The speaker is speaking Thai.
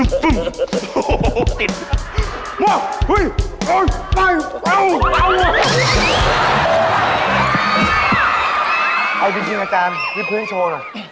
เอาอีกทีอาจารย์วิบพื้นโชว์หน่อย